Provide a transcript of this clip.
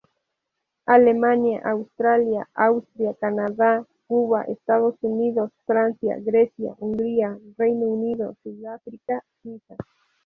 Alemania, Australia, Austria, Canadá, Cuba, Estados Unidos, Francia, Grecia, Hungría, Reino Unido, Sudáfrica, Suiza.